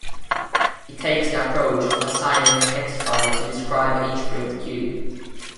It takes the approach of assigning a text file to describe each print queue.